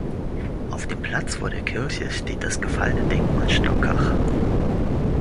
Auf dem Platz vor der Kirche steht das Gefallenendenkmal Stockach.